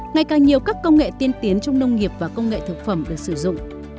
ngày càng nhiều các công nghệ tiên tiến trong nông nghiệp và công nghệ thực phẩm được sử dụng